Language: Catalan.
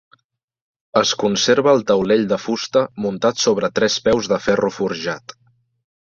Es conserva el taulell de fusta muntat sobre tres peus de ferro forjat.